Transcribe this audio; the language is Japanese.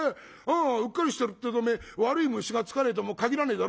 うっかりしてるってえとね悪い虫がつかねえとも限らねえだろ。